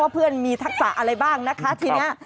ว่าเพื่อนมีทักษะอะไรบ้างทีเนี่ย